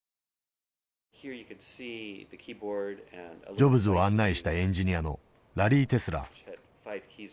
ジョブズを案内したエンジニアのラリー・テスラー。